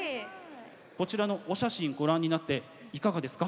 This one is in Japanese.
こちらのお写真ご覧になっていかがですか？